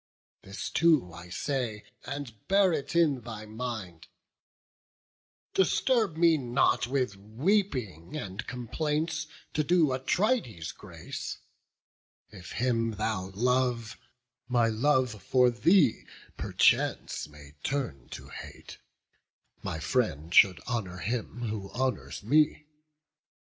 This too I say, and bear it in thy mind: Disturb me not with weeping and complaints, To do Atrides grace; if him thou love, My love for thee perchance may turn to hate: My friend should honour him who honours me.